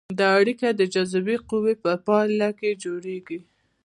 دا اړیکه د جاذبې قوې په پایله کې جوړیږي.